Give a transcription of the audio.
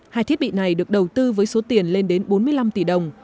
hai thiết bị này được đầu tư với số tiền lên đến bốn mươi năm tỷ đồng